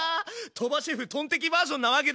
鳥羽シェフトンテキバージョンなわけだ。